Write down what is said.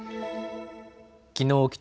きのう